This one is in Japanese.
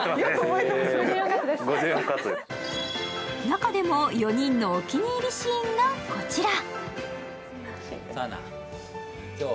中でも４人のお気に入りシーンがこちら。